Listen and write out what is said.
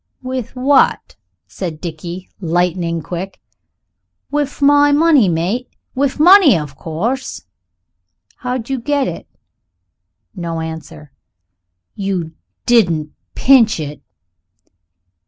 "What with?" said Dickie, lightning quick. "With with money, mate with money, of course." "How'd you get it?" No answer. "You didn't pinch it?"